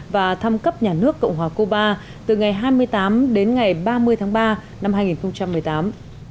và thăm cấp nhà nước cộng hòa cuba từ ngày hai mươi tám đến ngày ba mươi tháng ba năm hai nghìn một mươi tám